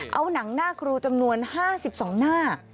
เอาหนังหน้าครูจำนวน๕๒หน้า